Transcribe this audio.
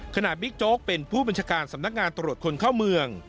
บิ๊กโจ๊กเป็นผู้บัญชาการสำนักงานตรวจคนเข้าเมือง